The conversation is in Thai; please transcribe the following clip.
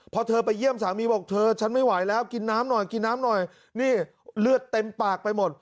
พอเธอไปเยี่ยมสามีบอกเธอฉันไม่ไหวแล้วกินน้ำหน่อยกินน้ำหน่อยนี่เลือดเต็มปากไปหมด